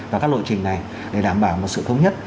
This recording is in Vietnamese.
và các lộ trình này để đảm bảo một sự thống nhất